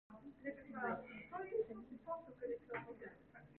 부처님께서 수보리에게 말씀하셨다.